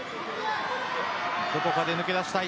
どこかで抜け出したい。